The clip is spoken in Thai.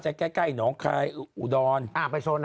หญิงลีมันคุ้มคนละโซนกัน